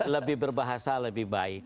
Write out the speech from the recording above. lebih berbahasa lebih baik